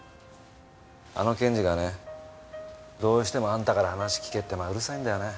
あの検事がねどうしてもあんたから話聞けってうるさいんだよね。